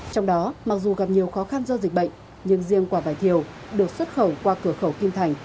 trong đó mặc dù gặp nhiều khó khăn do dịch bệnh nhưng riêng quả vải thiều được xuất khẩu qua cửa khẩu kim thành